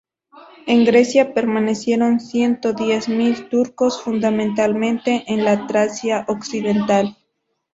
En Grecia permanecieron ciento diez mil turcos, fundamentalmente en la Tracia occidental.